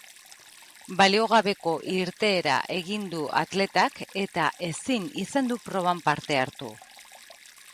Baliogabeko irteera egin du atletak eta ezin izan du proban parte hartu.